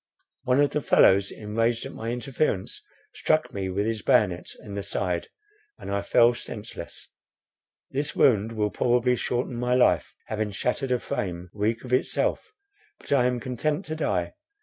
One of the fellows, enraged at my interference, struck me with his bayonet in the side, and I fell senseless. "This wound will probably shorten my life, having shattered a frame, weak of itself. But I am content to die.